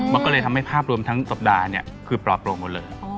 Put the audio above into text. มันก็เลยทำให้ภาพรวมทั้งสัปดาห์เนี่ยคือปลอดโปร่งหมดเลย